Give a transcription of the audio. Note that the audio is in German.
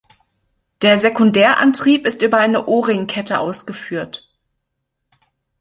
Der Sekundärantrieb ist über eine O-Ring-Kette ausgeführt.